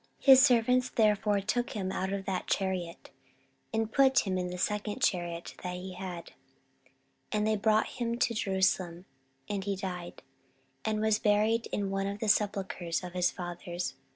14:035:024 His servants therefore took him out of that chariot, and put him in the second chariot that he had; and they brought him to Jerusalem, and he died, and was buried in one of the sepulchres of his fathers.